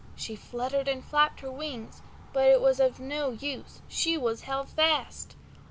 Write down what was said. She fluttered and flapped her wings, but it was of no use, she was held fast.